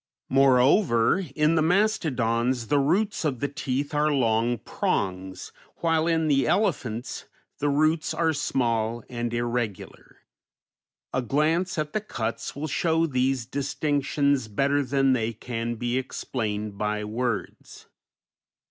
Moreover, in the mastodons the roots of the teeth are long prongs, while in the elephants the roots are small and irregular. A glance at the cuts will show these distinctions better than they can be explained by words.